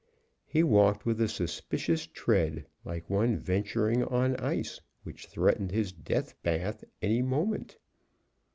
He walked with a suspicious tread, like one venturing on ice which threatened his death bath any moment.